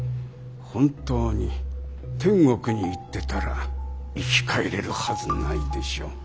本当に天国に行ってたら生き返れるはずないでしょ。